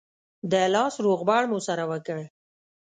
د لاس روغبړ مو سره وکړ.